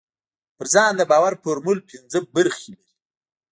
پر ځان د باور فورمول پينځه برخې لري.